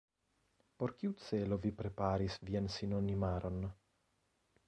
Por kiu celo vi preparis vian sinonimaron?